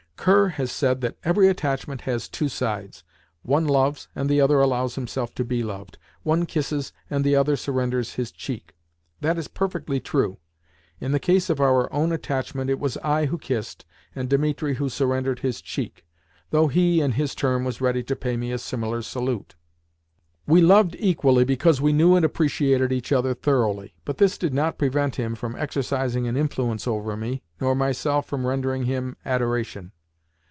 Kerr has said that every attachment has two sides: one loves, and the other allows himself to be loved; one kisses, and the other surrenders his cheek. That is perfectly true. In the case of our own attachment it was I who kissed, and Dimitri who surrendered his cheek—though he, in his turn, was ready to pay me a similar salute. We loved equally because we knew and appreciated each other thoroughly, but this did not prevent him from exercising an influence over me, nor myself from rendering him adoration.